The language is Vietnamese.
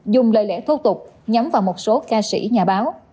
dùng lời lẽ thô tục nhắm vào một số ca sĩ nhà báo